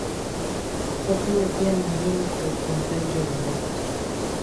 Chakula pia ni muhimu kwa utunzaji wa ngozi.